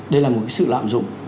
đây là một sự lạm dụng